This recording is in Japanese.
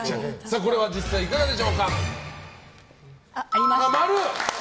これは実際いかがでしょうか。